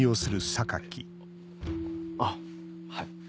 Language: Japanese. あっはい。